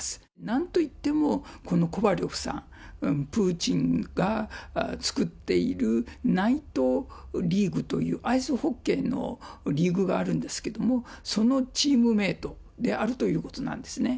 なんといっても、このコバリョフさん、プーチンが作っているナイトリーグというアイスホッケーのリーグがあるんですけれども、そのチームメートであるということなんですね。